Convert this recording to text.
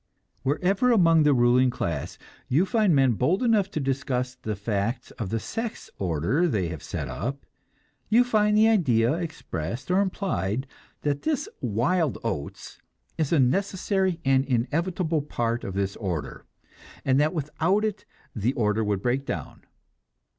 Wherever among the ruling class you find men bold enough to discuss the facts of the sex order they have set up, you find the idea, expressed or implied, that this "wild oats" is a necessary and inevitable part of this order, and that without it the order would break down.